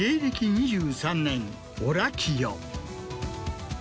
２３年オラキオ。